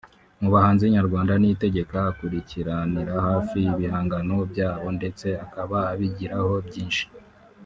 Mu bahanzi nyarwanda Niyitegeka akurikiranira hafi ibihangano byabo ndetse akaba abigiraho byinshi